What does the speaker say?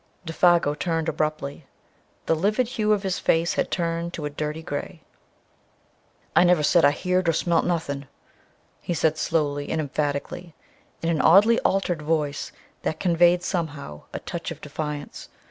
Défago turned abruptly; the livid hue of his face had turned to a dirty grey. "I never said I heered or smelt nuthin'," he said slowly and emphatically, in an oddly altered voice that conveyed somehow a touch of defiance.